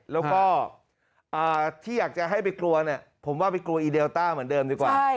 แล้วก็ที่อยากจะให้ไปกลัวเนี่ยผมว่าไปกลัวอีเดลต้าเหมือนเดิมดีกว่า